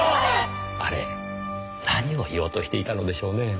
あれ何を言おうとしていたのでしょうねぇ？